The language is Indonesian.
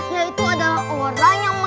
yaitu adalah orang yang mampu